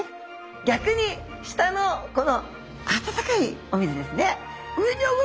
逆に下のこの温かいお水ですね。